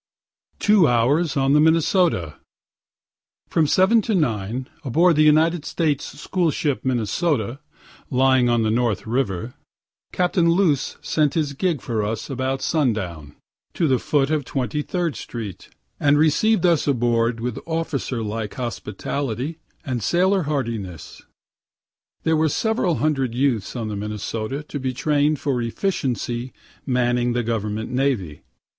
TWO HOURS ON THE MINNESOTA From 7 to 9, aboard the United States school ship Minnesota, lying up the North river. Captain Luce sent his gig for us about sundown, to the foot of Twenty third street, and receiv'd us aboard with officer like hospitality and sailor heartiness. There are several hundred youths on the Minnesota to be train'd for efficiently manning the government navy.